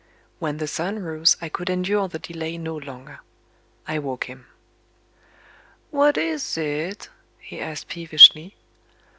When the sun rose, I could endure the delay no longer. I woke him. "What is it?" he asked peevishly.